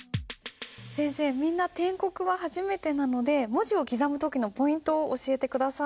先生みんな篆刻は初めてなので文字を刻む時のポイントを教えて下さい。